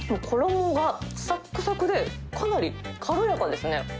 衣がさっくさくで、かなり軽やかですね。